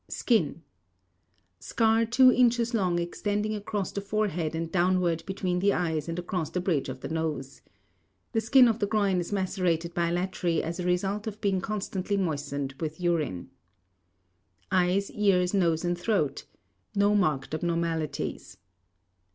SKIN: Scar 2 inches long extending across the forehead and downward between the eyes and across the bridge of the nose. The skin of the groin is macerated bilaterally as a result of being constantly moistened with urine. EYES, EARS, NOSE AND THROAT: No marked abnormalities.